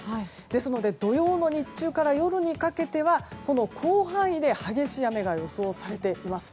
ですので土曜の日中から夜にかけては広範囲で激しい雨が予想されています。